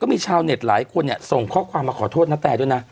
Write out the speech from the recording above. มีชาวเน็ตหลายคนเนี่ยส่งข้อความมาขอโทษนาแตด้วยนะ